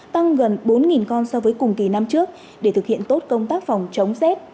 tăng gần bốn con so với cùng kỳ năm trước để thực hiện tốt công tác phòng chống rét